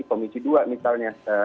komisi dua misalnya